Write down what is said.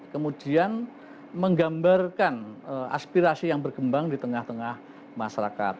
kemudian menggambarkan aspirasi yang berkembang di tengah tengah masyarakat